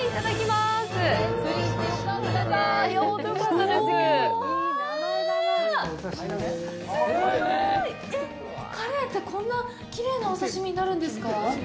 すごい！えっ、カレイってこんなきれいなお刺身になるんですか！？